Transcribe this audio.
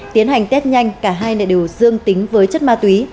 tiến hành test nhanh cả hai đều dương tính với chất ma túy